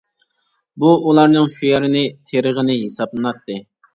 بۇ ئۇلارنىڭ شۇ يەرنى تېرىغىنى ھېسابلىناتتى.